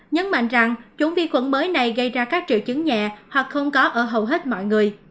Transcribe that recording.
nhấn mạnh rằng chủng vi khuẩn mới này gây ra các triệu chứng nhẹ hoặc không có ở hầu hết mọi người